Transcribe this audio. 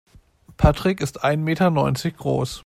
Patrick ist ein Meter neunzig groß.